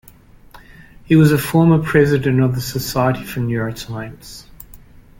He was a former president of the Society for Neuroscience.